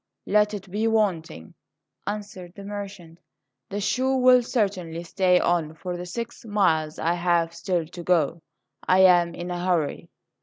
"Let it be wanting," answered the merchant; "the shoe will certainly stay on for the six miles I have still to go. I am in a hurry."